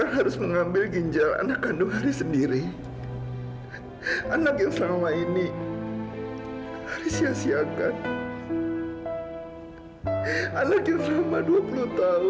haris gak akan pernah ketemu dia sampai kapanpun bu